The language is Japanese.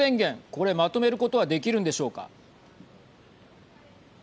これ、まとめることはできるんでしょうか。